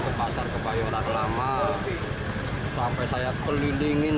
ke pasar ke banyoran lama sampai saya kelilingin